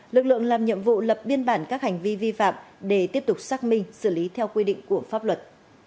lực lượng làm nhiệm vụ lập biên bản các hành vi vi phạm để tiếp tục xác minh xử lý theo quy định của pháp luật